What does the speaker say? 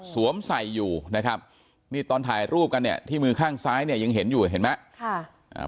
ใส่อยู่นะครับนี่ตอนถ่ายรูปกันเนี่ยที่มือข้างซ้ายเนี่ยยังเห็นอยู่เห็นไหม